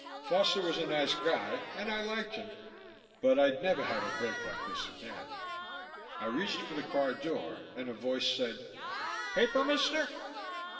Foster was a nice guy and I liked him but I'd never have a break like this again. I reached for the car door and a voice said, "Paper, mister?"